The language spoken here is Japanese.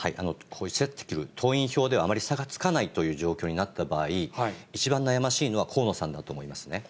せってくる党員票ではあまり差がつかないという状況になった場合、一番悩ましいのは河野さんだと思いますね。